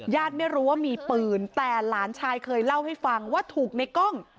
ไม่รู้ว่ามีปืนแต่หลานชายเคยเล่าให้ฟังว่าถูกในกล้อง